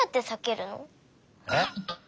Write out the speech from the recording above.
えっ。